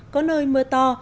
có nơi mưa to